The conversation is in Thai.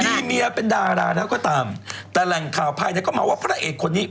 มีเมียเป็นดาราแล้วก็ตามแต่แหล่งข่าวภายในก็มาว่าพระเอกคนนี้